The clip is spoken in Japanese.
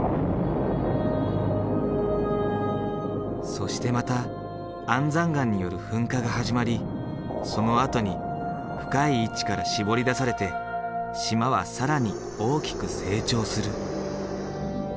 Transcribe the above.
そしてまた安山岩による噴火が始まりそのあとに深い位置からしぼり出されて島は更に大きく成長する。